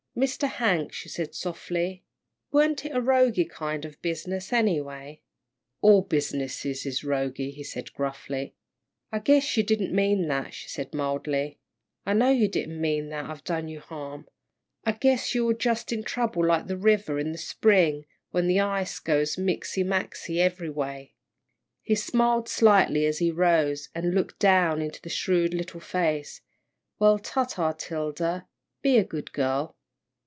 "Mr. Hank," she said, softly, "warn't it a roguey kind of a business, anyway?" "All business is roguey," he said, gruffly. "I guess you don't mean that," she said, mildly. "I know you don't mean that I've done you harm. I guess you're jus' in trouble like the river in the spring, when the ice goes mixy maxy every way." He smiled slightly as he rose, and looked down into the shrewd little face, "Well, ta, ta, 'Tilda be a good girl."